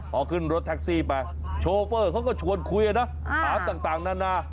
พอขึ้นรถแท็กซี่ไปโชเฟอร์เขาก็ชวนคุยนะถามต่างนานา